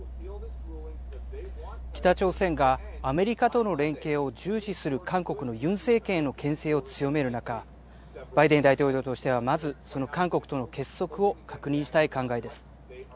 北朝鮮がアメリカとの連携を重視する韓国のユン政権へのけん制を強める中、バイデン大統領としてはまずその韓国との結束を確認したい考えです。